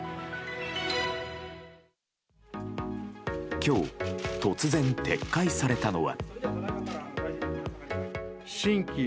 今日、突然撤回されたのは。